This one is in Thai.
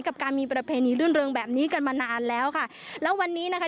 กับการมีประเพณีรื่นเริงแบบนี้กันมานานแล้วค่ะแล้ววันนี้นะคะ